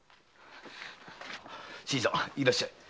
新さんいらっしゃい。